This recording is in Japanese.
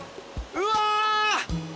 うわ！